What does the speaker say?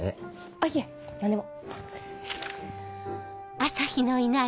あっいえ何でも。